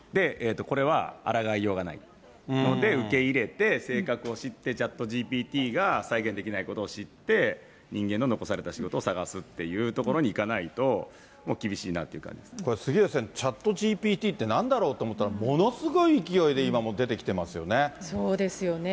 これはあらがいようがないので、受け入れて、性格を知って、ＣｈａｔＧＰＴが再現できないことを知って、人間の残された仕事を探すっていうところにいかないと、これ、杉上さん、ＣｈａｔＧＰＴってなんだろうと思ったら、ものすごい勢いで今、そうですよね。